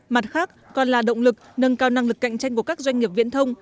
mặt khác còn là động lực nâng cao năng lực cạnh tranh của các doanh nghiệp viễn thông